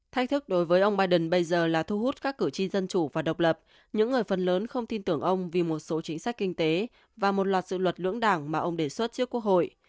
thách thức đối với ông biden bây giờ là thu hút các cử tri dân chủ và độc lập những người phần lớn không tin tưởng ông vì một số chính sách kinh tế và một loạt dự luật lưỡng đảng mà ông đề xuất trước quốc hội